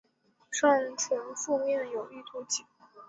上唇腹面有一突起。